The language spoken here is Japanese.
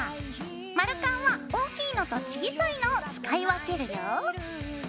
丸カンは大きいのと小さいのを使い分けるよ。